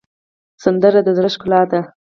سندره د زړه ښکلا ده